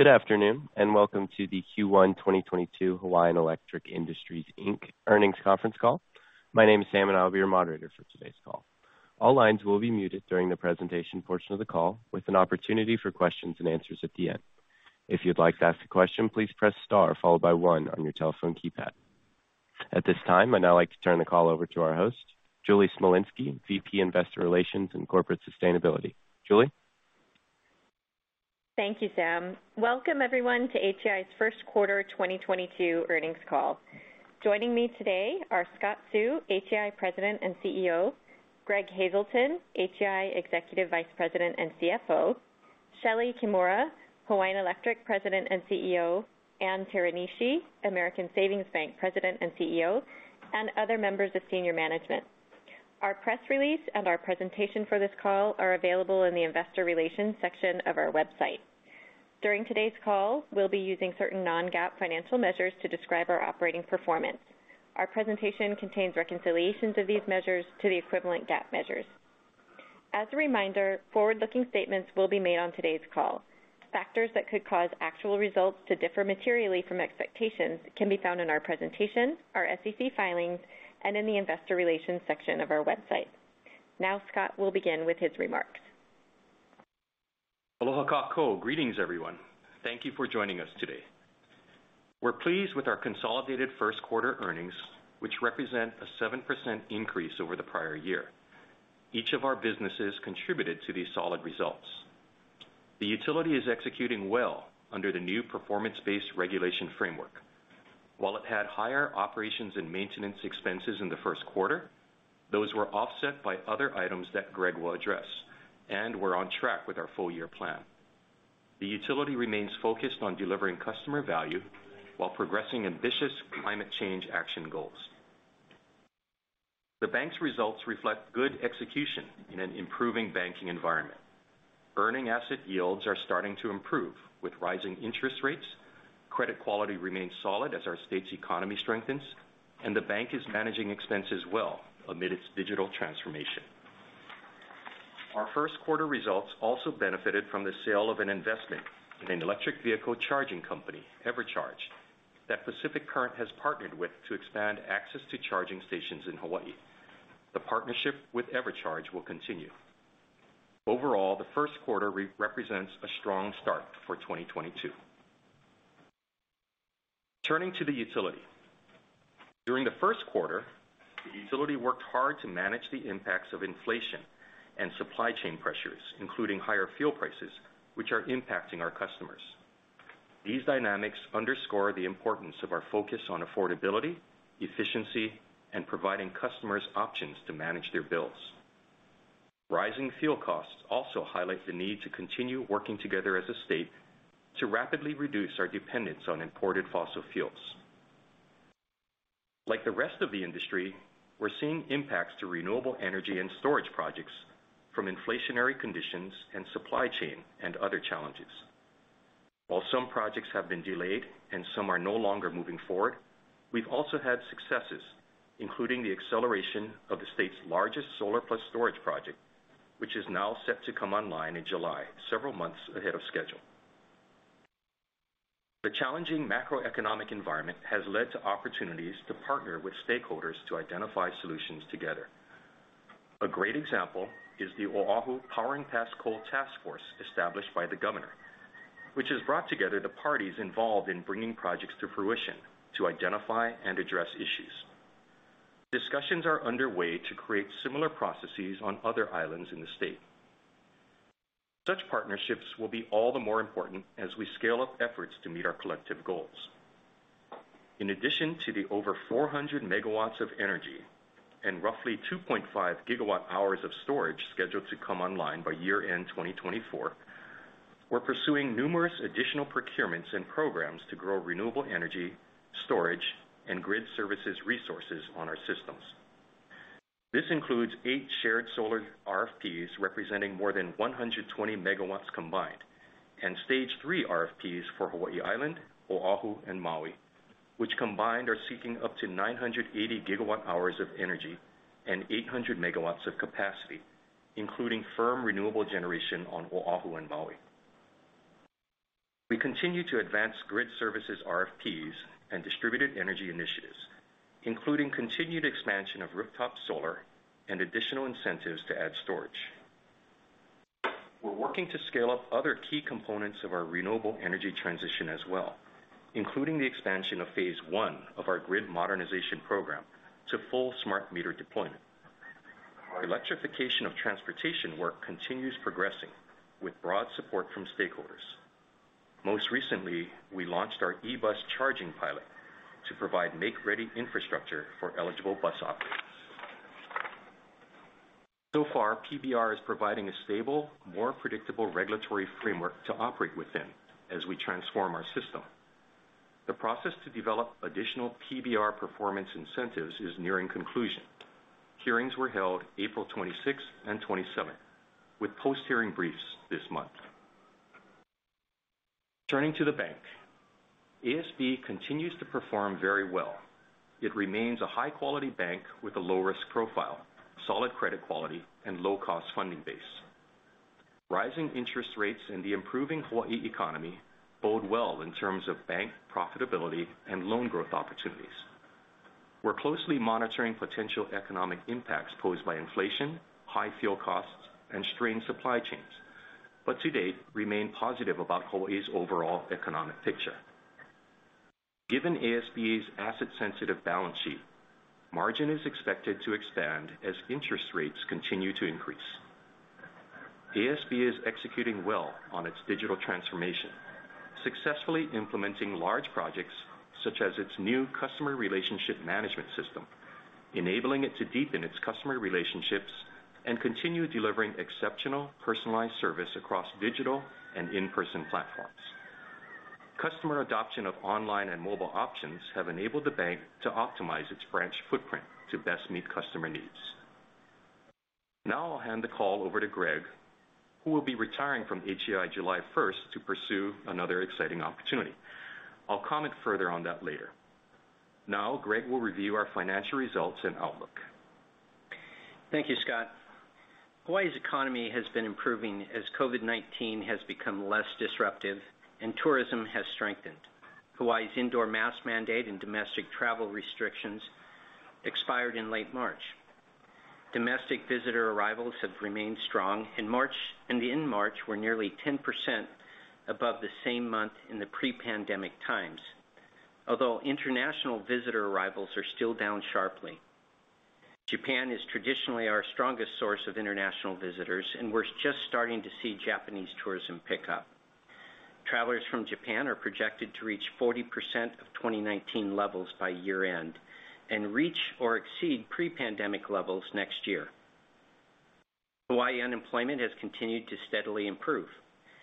Good afternoon, and welcome to the Q1 2022 Hawaiian Electric Industries, Inc. earnings conference call. My name is Sam, and I'll be your moderator for today's call. All lines will be muted during the presentation portion of the call, with an opportunity for questions and answers at the end. If you'd like to ask a question, please press star followed by one on your telephone keypad. At this time, I'd now like to turn the call over to our host, Julie Smolinski, VP, Investor Relations and Corporate Sustainability. Julie? Thank you, Sam. Welcome, everyone, to HEI's first quarter 2022 earnings call. Joining me today are Scott Seu, HEI President and CEO, Greg Hazelton, HEI Executive Vice President and CFO, Shelee Kimura, Hawaiian Electric President and CEO, Ann Teranishi, American Savings Bank President and CEO, and other members of senior management. Our press release and our presentation for this call are available in the investor relations section of our website. During today's call, we'll be using certain non-GAAP financial measures to describe our operating performance. Our presentation contains reconciliations of these measures to the equivalent GAAP measures. As a reminder, forward-looking statements will be made on today's call. Factors that could cause actual results to differ materially from expectations can be found in our presentation, our SEC filings, and in the investor relations section of our website. Now, Scott will begin with his remarks. Aloha kakou. Greetings, everyone. Thank you for joining us today. We're pleased with our consolidated first quarter earnings, which represent a 7% increase over the prior year. Each of our businesses contributed to these solid results. The Utility is executing well under the new performance-based regulation framework. While it had higher operations and maintenance expenses in the first quarter, those were offset by other items that Greg will address, and we're on track with our full-year plan. The Utility remains focused on delivering customer value while progressing ambitious climate change action goals. The Bank's results reflect good execution in an improving banking environment. Earning asset yields are starting to improve with rising interest rates. Credit quality remains solid as our state's economy strengthens, and the Bank is managing expenses well amid its digital transformation. Our first quarter results also benefited from the sale of an investment in an electric vehicle charging company, EverCharge, that Pacific Current has partnered with to expand access to charging stations in Hawaii. The partnership with EverCharge will continue. Overall, the first quarter represents a strong start for 2022. Turning to the Utility. During the first quarter, the Utility worked hard to manage the impacts of inflation and supply chain pressures, including higher fuel prices, which are impacting our customers. These dynamics underscore the importance of our focus on affordability, efficiency, and providing customers options to manage their bills. Rising fuel costs also highlight the need to continue working together as a state to rapidly reduce our dependence on imported fossil fuels. Like the rest of the industry, we're seeing impacts to renewable energy and storage projects from inflationary conditions and supply chain and other challenges. While some projects have been delayed and some are no longer moving forward, we've also had successes, including the acceleration of the state's largest solar plus storage project, which is now set to come online in July, several months ahead of schedule. The challenging macroeconomic environment has led to opportunities to partner with stakeholders to identify solutions together. A great example is the Oahu Powering Past Coal Task Force established by the governor, which has brought together the parties involved in bringing projects to fruition to identify and address issues. Discussions are underway to create similar processes on other islands in the state. Such partnerships will be all the more important as we scale up efforts to meet our collective goals. In addition to the over 400 MW of energy and roughly 2.5 GWh of storage scheduled to come online by year-end 2024, we're pursuing numerous additional procurements and programs to grow renewable energy, storage, and grid services resources on our systems. This includes eight shared solar RFPs, representing more than 120 MW combined, and Stage 3 RFPs for Hawaii Island, Oahu, and Maui, which combined are seeking up to 980 GWh of energy and 800 MW of capacity, including firm renewable generation on Oahu and Maui. We continue to advance grid services RFPs and distributed energy initiatives, including continued expansion of rooftop solar and additional incentives to add storage. We're working to scale up other key components of our renewable energy transition as well, including the expansion of Phase 1 of our grid modernization program to full smart meter deployment. Our electrification of transportation work continues progressing with broad support from stakeholders. Most recently, we launched our eBus charging pilot to provide make-ready infrastructure for eligible bus operators. PBR is providing a stable, more predictable regulatory framework to operate within as we transform our system. The process to develop additional PBR performance incentives is nearing conclusion. Hearings were held April 26th and 27th, with post-hearing briefs this month. Turning to the Bank. ASB continues to perform very well. It remains a high quality bank with a low risk profile, solid credit quality, and low cost funding base. Rising interest rates and the improving Hawaii economy bode well in terms of bank profitability and loan growth opportunities. We're closely monitoring potential economic impacts posed by inflation, high fuel costs, and strained supply chains, but to date, remain positive about Hawaii's overall economic picture. Given ASB's asset sensitive balance sheet, margin is expected to expand as interest rates continue to increase. ASB is executing well on its digital transformation, successfully implementing large projects such as its new customer relationship management system, enabling it to deepen its customer relationships and continue delivering exceptional personalized service across digital and in-person platforms. Customer adoption of online and mobile options have enabled the Bank to optimize its branch footprint to best meet customer needs. Now I'll hand the call over to Greg, who will be retiring from HEI July first to pursue another exciting opportunity. I'll comment further on that later. Now Greg will review our financial results and outlook. Thank you, Scott. Hawaii's economy has been improving as COVID-19 has become less disruptive and tourism has strengthened. Hawaii's indoor mask mandate and domestic travel restrictions expired in late March. Domestic visitor arrivals have remained strong, and in March were nearly 10% above the same month in the pre-pandemic times. Although international visitor arrivals are still down sharply. Japan is traditionally our strongest source of international visitors, and we're just starting to see Japanese tourism pick up. Travelers from Japan are projected to reach 40% of 2019 levels by year end and reach or exceed pre-pandemic levels next year. Hawaii unemployment has continued to steadily improve.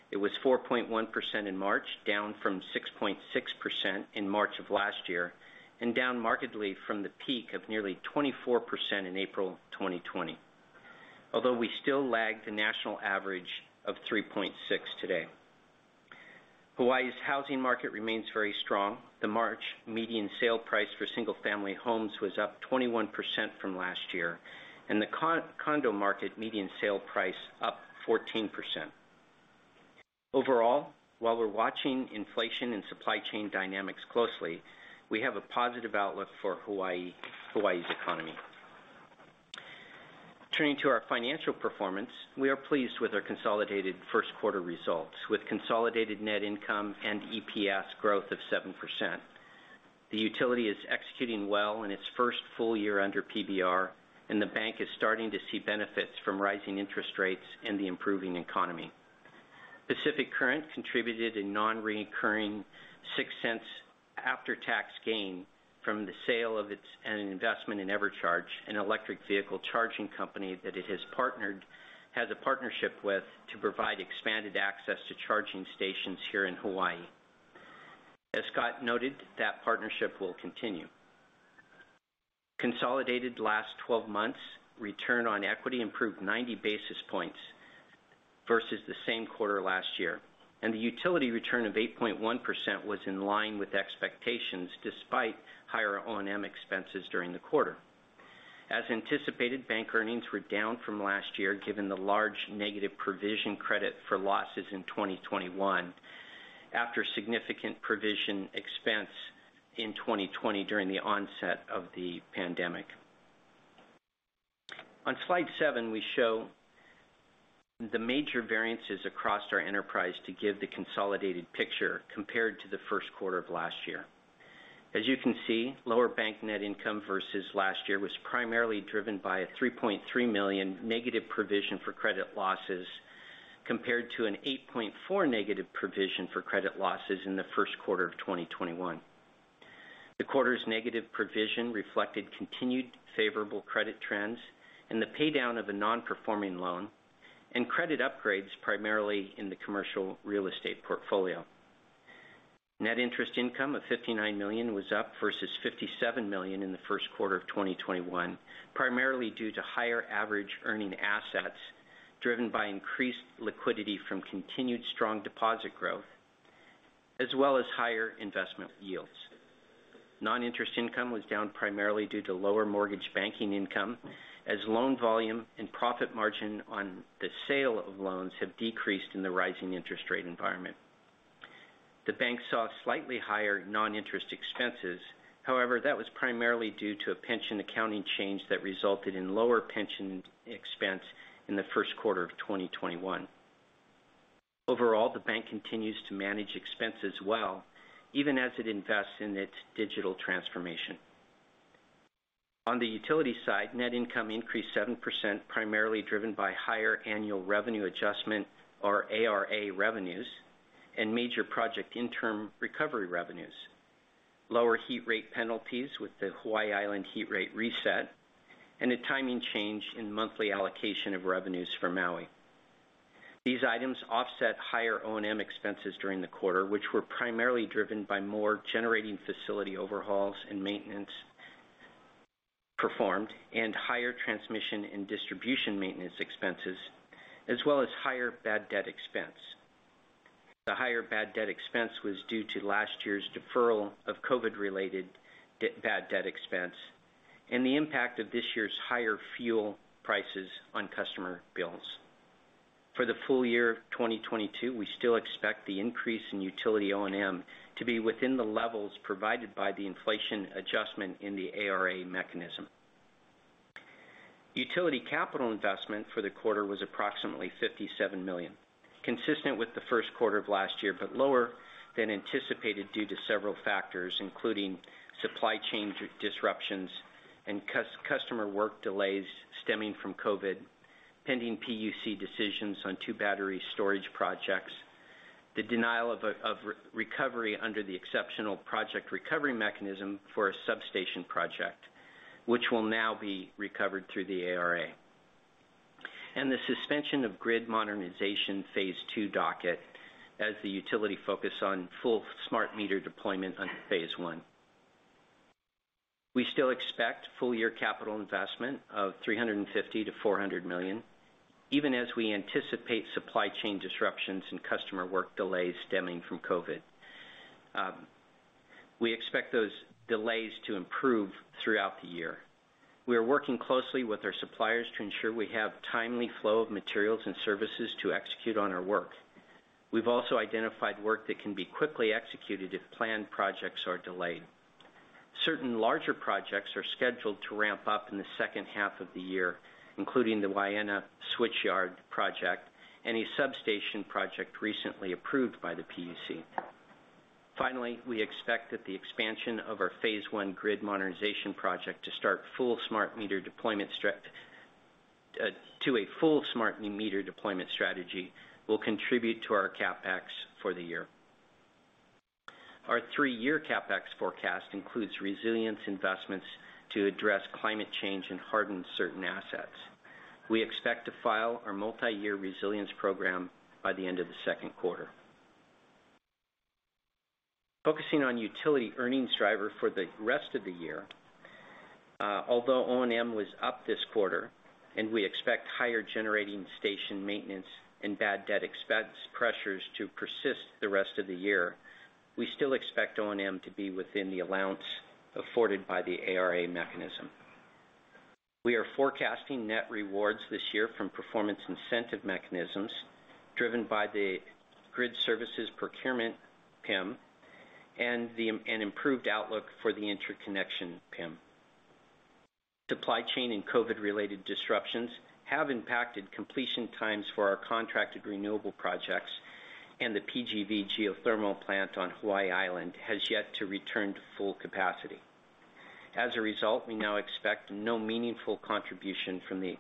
It was 4.1% in March, down from 6.6% in March of last year, and down markedly from the peak of nearly 24% in April 2020. Although we still lag the national average of 3.6 today. Hawaii's housing market remains very strong. The March median sale price for single-family homes was up 21% from last year, and the condo market median sale price up 14%. Overall, while we're watching inflation and supply chain dynamics closely, we have a positive outlook for Hawaii's economy. Turning to our financial performance, we are pleased with our consolidated first quarter results, with consolidated net income and EPS growth of 7%. The Utility is executing well in its first full year under PBR, and the Bank is starting to see benefits from rising interest rates and the improving economy. Pacific Current contributed a non-recurring $0.06 after-tax gain from the sale of its investment in EverCharge, an electric vehicle charging company that it has a partnership with to provide expanded access to charging stations here in Hawaii. As Scott noted, that partnership will continue. Consolidated last 12 months return on equity improved 90 basis points versus the same quarter last year, and the Utility return of 8.1% was in line with expectations despite higher O&M expenses during the quarter. As anticipated, Bank earnings were down from last year, given the large negative provision credit for losses in 2021 after significant provision expense in 2020 during the onset of the pandemic. On slide 7, we show the major variances across our enterprise to give the consolidated picture compared to the first quarter of last year. As you can see, lower Bank net income versus last year was primarily driven by a $3.3 million negative provision for credit losses, compared to an $8.4 million negative provision for credit losses in the first quarter of 2021. The quarter's negative provision reflected continued favorable credit trends and the pay down of a non-performing loan and credit upgrades primarily in the commercial real estate portfolio. Net interest income of $59 million was up versus $57 million in the first quarter of 2021, primarily due to higher average earning assets driven by increased liquidity from continued strong deposit growth, as well as higher investment yields. Non-interest income was down primarily due to lower mortgage banking income, as loan volume and profit margin on the sale of loans have decreased in the rising interest rate environment. The Bank saw slightly higher non-interest expenses. However, that was primarily due to a pension accounting change that resulted in lower pension expense in the first quarter of 2021. Overall, the Bank continues to manage expenses well even as it invests in its digital transformation. On the Utility side, net income increased 7%, primarily driven by higher Annual Revenue Adjustment or ARA revenues and major project interim recovery revenues, lower heat rate penalties with the Hawaii Island heat rate reset and a timing change in monthly allocation of revenues for Maui. These items offset higher O&M expenses during the quarter, which were primarily driven by more generating facility overhauls and maintenance performed and higher transmission and distribution maintenance expenses, as well as higher bad debt expense. The higher bad debt expense was due to last year's deferral of COVID-related bad debt expense and the impact of this year's higher fuel prices on customer bills. For the full year of 2022, we still expect the increase in Utility O&M to be within the levels provided by the inflation adjustment in the ARA mechanism. Utility capital investment for the quarter was approximately $57 million, consistent with the first quarter of last year, but lower than anticipated due to several factors, including supply chain disruptions and customer work delays stemming from COVID, pending PUC decisions on two battery storage projects, the denial of recovery under the Exceptional Project Recovery Mechanism for a substation project, which will now be recovered through the ARA, and the suspension of grid modernization phase II docket as the Utility focus on full smart meter deployment under Phase 1. We still expect full year capital investment of $350 million-$400 million, even as we anticipate supply chain disruptions and customer work delays stemming from COVID. We expect those delays to improve throughout the year. We are working closely with our suppliers to ensure we have timely flow of materials and services to execute on our work. We've also identified work that can be quickly executed if planned projects are delayed. Certain larger projects are scheduled to ramp up in the second half of the year, including the Waianae Switchyard project and a substation project recently approved by the PUC. Finally, we expect that the expansion of our phase I grid modernization project to a full smart meter deployment strategy will contribute to our CapEx for the year. Our three-year CapEx forecast includes resilience investments to address climate change and harden certain assets. We expect to file our multi-year resilience program by the end of the second quarter. Focusing on Utility earnings driver for the rest of the year, although O&M was up this quarter and we expect higher generating station maintenance and bad debt expense pressures to persist the rest of the year, we still expect O&M to be within the allowance afforded by the ARA mechanism. We are forecasting net rewards this year from performance incentive mechanisms driven by the grid services procurement PIM and the improved outlook for the interconnection PIM. Supply chain and COVID-related disruptions have impacted completion times for our contracted renewable projects, and the PGV geothermal plant on Hawaii Island has yet to return to full capacity. As a result, we now expect no meaningful contribution from the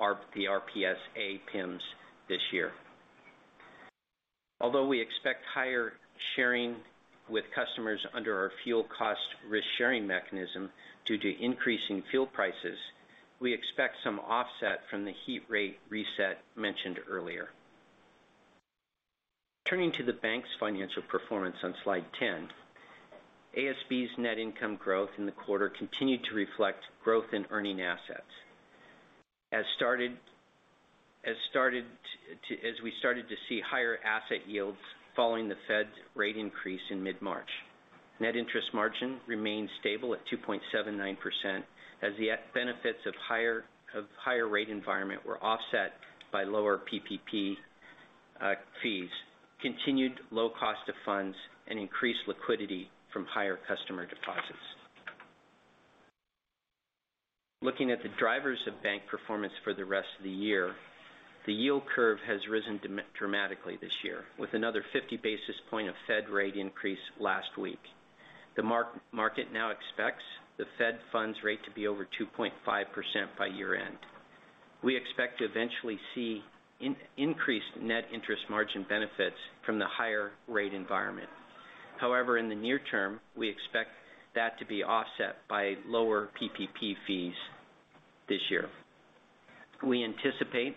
RPS-A PIMs this year. Although we expect higher sharing with customers under our fuel cost risk-sharing mechanism due to increasing fuel prices, we expect some offset from the heat rate reset mentioned earlier. Turning to the Bank's financial performance on slide 10. ASB's net income growth in the quarter continued to reflect growth in earning assets. As we started to see higher asset yields following the Fed's rate increase in mid-March. Net interest margin remained stable at 2.79% as the benefits of higher rate environment were offset by lower PPP fees, continued low cost of funds, and increased liquidity from higher customer deposits. Looking at the drivers of Bank performance for the rest of the year, the yield curve has risen dramatically this year, with another 50 basis points of Fed rate increase last week. The market now expects the Fed funds rate to be over 2.5% by year-end. We expect to eventually see increased net interest margin benefits from the higher rate environment. However, in the near term, we expect that to be offset by lower PPP fees this year. We anticipate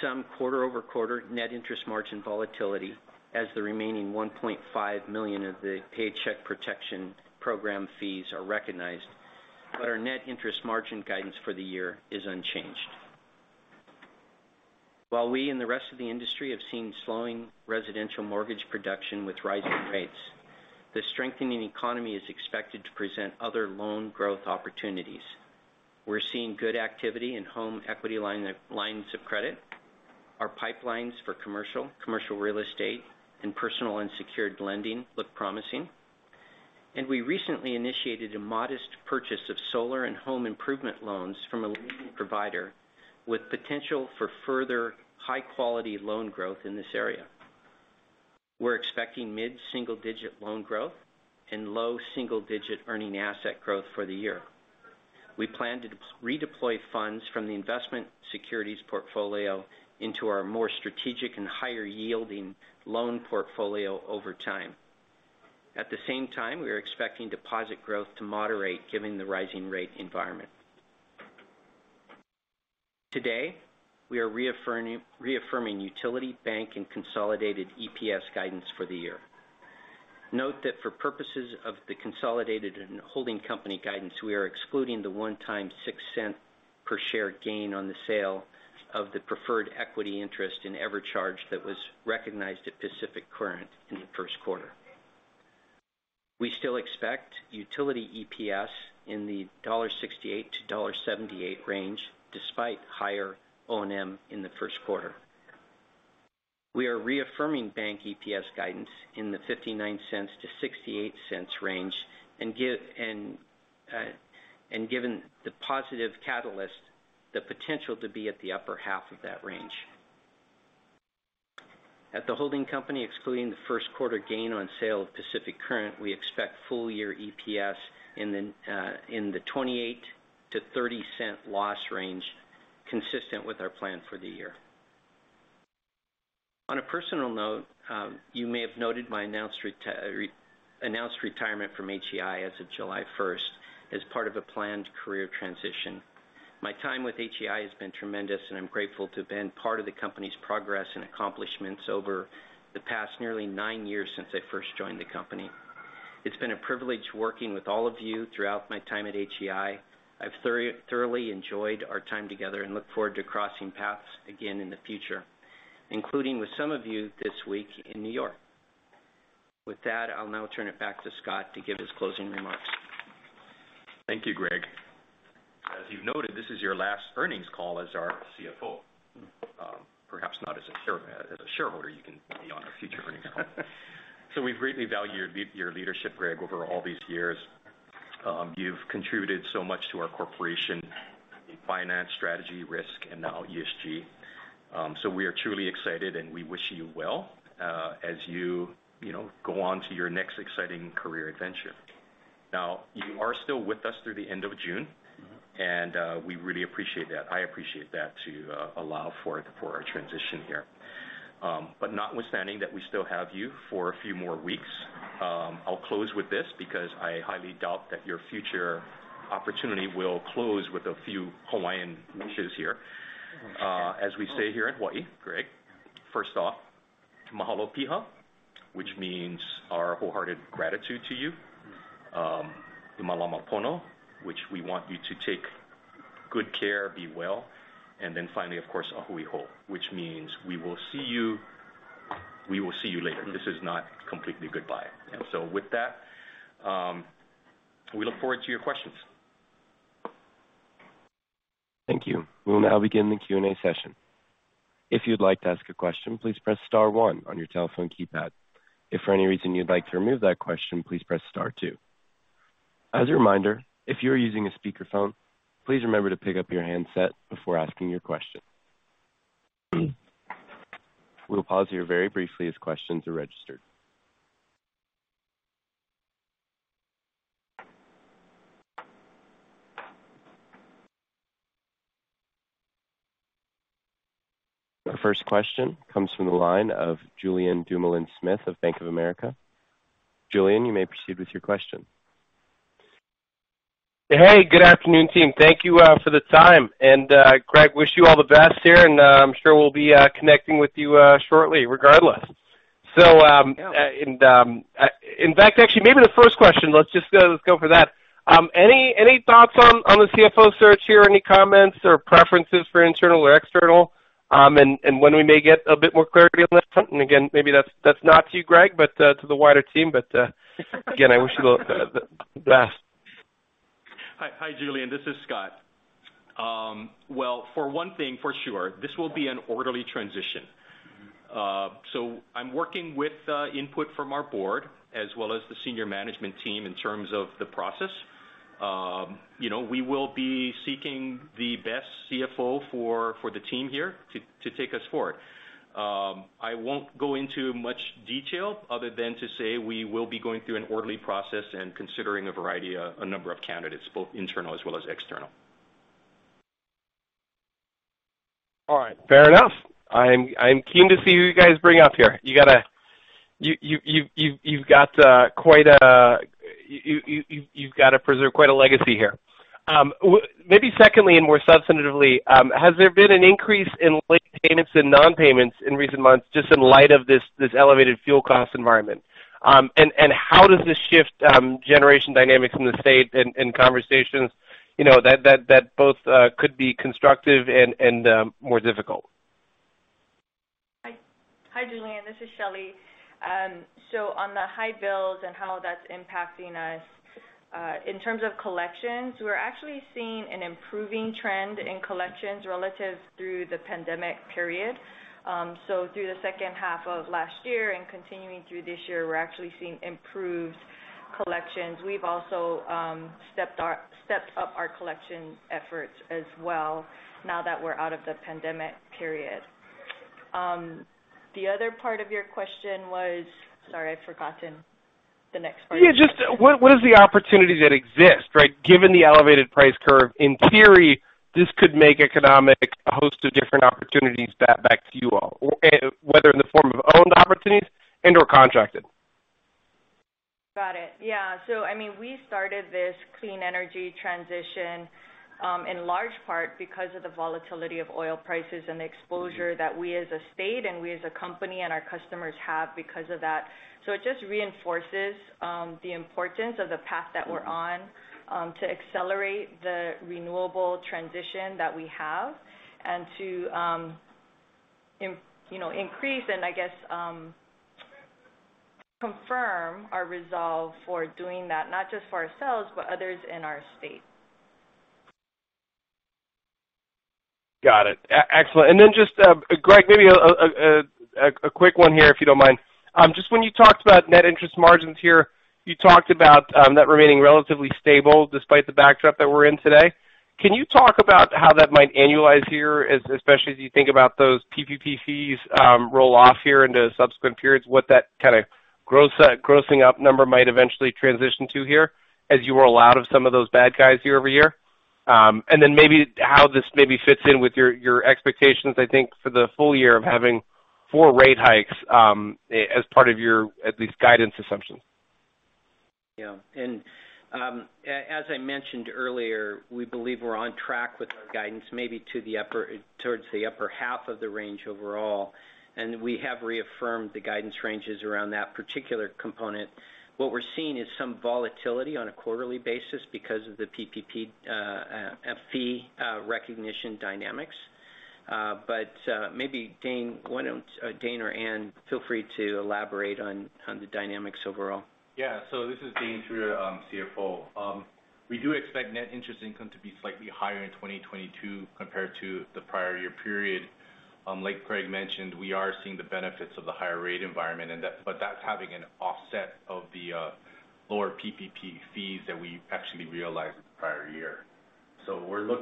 some quarter-over-quarter net interest margin volatility as the remaining $1.5 million of the Paycheck Protection Program fees are recognized, but our net interest margin guidance for the year is unchanged. While we and the rest of the industry have seen slowing residential mortgage production with rising rates, the strengthening economy is expected to present other loan growth opportunities. We're seeing good activity in home equity lines of credit. Our pipelines for commercial real estate and personal unsecured lending look promising. We recently initiated a modest purchase of solar and home improvement loans from a leading provider with potential for further high-quality loan growth in this area. We're expecting mid-single-digit loan growth and low single-digit earning asset growth for the year. We plan to redeploy funds from the investment securities portfolio into our more strategic and higher-yielding loan portfolio over time. At the same time, we are expecting deposit growth to moderate given the rising rate environment. Today, we are reaffirming Utility, Bank, and consolidated EPS guidance for the year. Note that for purposes of the consolidated and holding company guidance, we are excluding the one-time $0.06 per share gain on the sale of the preferred equity interest in EverCharge that was recognized at Pacific Current in the first quarter. We still expect Utility EPS in the $1.68-$1.78 range despite higher O&M in the first quarter. We are reaffirming Bank EPS guidance in the $0.59-$0.68 range and given the positive catalyst, the potential to be at the upper half of that range. At the holding company, excluding the first quarter gain on sale of Pacific Current, we expect full-year EPS in the $0.28-$0.30 loss range, consistent with our plan for the year. On a personal note, you may have noted my announced retirement from HEI as of July first as part of a planned career transition. My time with HEI has been tremendous, and I'm grateful to have been part of the company's progress and accomplishments over the past nearly nine years since I first joined the company. It's been a privilege working with all of you throughout my time at HEI. I've thoroughly enjoyed our time together and look forward to crossing paths again in the future, including with some of you this week in New York. With that, I'll now turn it back to Scott to give his closing remarks. Thank you, Greg. As you've noted, this is your last earnings call as our CFO. Perhaps not as a shareholder, you can be on a future earnings call. We've greatly valued your leadership, Greg, over all these years. You've contributed so much to our corporation in finance, strategy, risk, and now ESG. We are truly excited, and we wish you well, as you know, go on to your next exciting career adventure. Now, you are still with us through the end of June. Mm-hmm. We really appreciate that. I appreciate that too, allow for our transition here. But notwithstanding that we still have you for a few more weeks, I'll close with this because I highly doubt that your future opportunity will close with a few Hawaiian wishes here. As we say here in Hawaii, Greg, first off, mahalō piha, which means our wholehearted gratitude to you. E mālama pono, which we want you to take good care, be well. And then finally, of course, a hui hou, which means we will see you, we will see you later. This is not completely goodbye. Yeah. With that, we look forward to your questions. Thank you. We'll now begin the Q&A session. If you'd like to ask a question, please press star one on your telephone keypad. If for any reason you'd like to remove that question, please press star two. As a reminder, if you're using a speakerphone, please remember to pick up your handset before asking your question. We'll pause here very briefly as questions are registered. Our first question comes from the line of Julien Dumoulin-Smith of Bank of America. Julien, you may proceed with your question. Hey, good afternoon, team. Thank you for the time. Greg, wish you all the best here, and I'm sure we'll be connecting with you shortly regardless. Yeah. In fact, actually, maybe the first question, let's go for that. Any thoughts on the CFO search here? Any comments or preferences for internal or external? And when we may get a bit more clarity on that front? Again, maybe that's not to you, Greg, but to the wider team. Again, I wish you well, the best. Hi. Hi, Julien, this is Scott. For one thing, for sure, this will be an orderly transition. I'm working with input from our board as well as the senior management team in terms of the process. You know, we will be seeking the best CFO for the team here to take us forward. I won't go into much detail other than to say we will be going through an orderly process and considering a variety of a number of candidates, both internal as well as external. All right. Fair enough. I'm keen to see who you guys bring up here. You've got to preserve quite a legacy here. Maybe secondly and more substantively, has there been an increase in late payments and non-payments in recent months just in light of this elevated fuel cost environment? How does this shift generation dynamics in the state and conversations you know that both could be constructive and more difficult? Hi. Hi, Julien. This is Shelee. On the high bills and how that's impacting us, in terms of collections, we're actually seeing an improving trend in collections relative to the pandemic period. Through the second half of last year and continuing through this year, we're actually seeing improved collections. We've also stepped up our collection efforts as well now that we're out of the pandemic period. The other part of your question was? Sorry, I've forgotten the next part. Yeah, just what is the opportunity that exists, right? Given the elevated price curve, in theory, this could make economic a host of different opportunities back to you all, whether in the form of owned opportunities and/or contracted. Got it. Yeah. I mean, we started this clean energy transition in large part because of the volatility of oil prices and the exposure that we as a state and we as a company and our customers have because of that. It just reinforces the importance of the path that we're on to accelerate the renewable transition that we have and to you know, increase and I guess confirm our resolve for doing that, not just for ourselves, but others in our state. Got it. Excellent. Just, Greg, maybe a quick one here if you don't mind. Just when you talked about net interest margins here, you talked about NIM remaining relatively stable despite the backdrop that we're in today. Can you talk about how that might annualize here, especially as you think about those PPP fees roll off here into subsequent periods, what that kind of grossing up number might eventually transition to here as you roll out of some of those bad guys year-over-year? Maybe how this fits in with your expectations, I think, for the full year of having four rate hikes as part of your at least guidance assumptions. As I mentioned earlier, we believe we're on track with our guidance maybe towards the upper half of the range overall, and we have reaffirmed the guidance ranges around that particular component. What we're seeing is some volatility on a quarterly basis because of the PPP fee recognition dynamics. Maybe Dane or Ann feel free to elaborate on the dynamics overall? Yeah. This is Dane Teruya, CFO. We do expect net interest income to be slightly higher in 2022 compared to the prior year period. Like Greg mentioned, we are seeing the benefits of the higher rate environment, but that's having an offset of the lower PPP fees that we actually realized the prior year.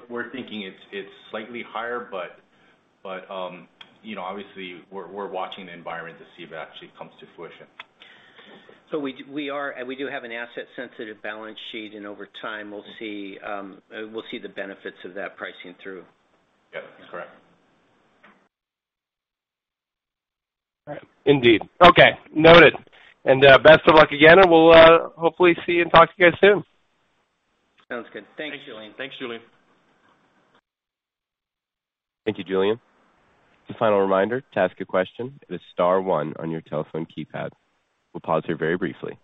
We're thinking it's slightly higher, but you know, obviously, we're watching the environment to see if it actually comes to fruition. We are, and we do have an asset sensitive balance sheet, and over time, we'll see the benefits of that pricing through. Yeah. That's correct. Indeed. Okay. Noted. Best of luck again, and we'll hopefully see and talk to you guys soon. Sounds good. Thank you, Julien. Thanks, Julien. Thank you, Julien. Just a final reminder. To ask a question, it is star one on your telephone keypad. We'll pause here very briefly.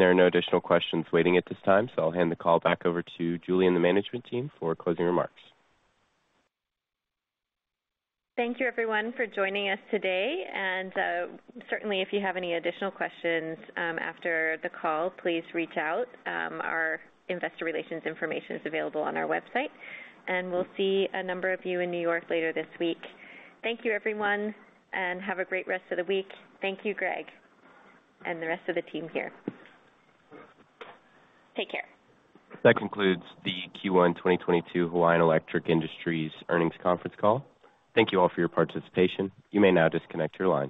There are no additional questions waiting at this time, so I'll hand the call back over to Julie and the management team for closing remarks. Thank you everyone for joining us today. Certainly, if you have any additional questions after the call, please reach out. Our investor relations information is available on our website, and we'll see a number of you in New York later this week. Thank you, everyone, and have a great rest of the week. Thank you, Greg, and the rest of the team here. Take care. That concludes the Q1 2022 Hawaiian Electric Industries Earnings Conference Call. Thank you all for your participation. You may now disconnect your lines.